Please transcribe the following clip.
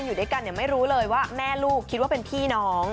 อยู่ด้วยกันไม่รู้เลยว่าแม่ลูกคิดว่าเป็นพี่น้อง